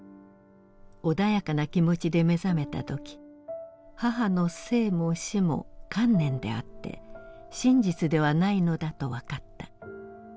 穏やかな気持ちで目覚めた時母の生も死も観念であって真実ではないのだと分かった。